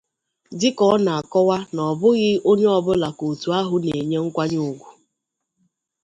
Dịka ọ na-akọwa na ọ bụghị onye ọbụla ka òtù ahụ na-enye nkwanyeùgwù